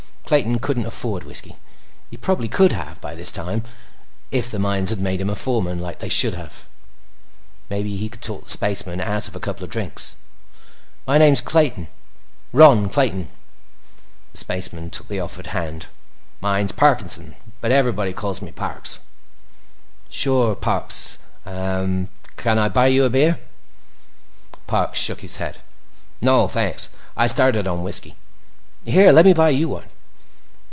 Clayton couldn't afford whiskey. He probably could have by this time, if the mines had made him a foreman, like they should have. Maybe he could talk the spaceman out of a couple of drinks. "My name's Clayton. Ron Clayton." The spaceman took the offered hand. "Mine's Parkinson, but everybody calls me Parks." "Sure, Parks. Uh—can I buy you a beer?" Parks shook his head. "No, thanks. I started on whiskey. Here, let me buy you one."